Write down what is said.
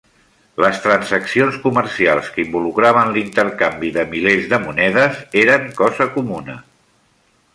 Les transaccions comercials que involucraven l'intercanvi de milers de monedes eren cosa comuna.